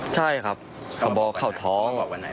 ใช่ครับเขาบอกเขาท้อง